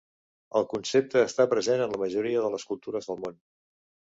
El concepte està present en la majoria de les cultures del món.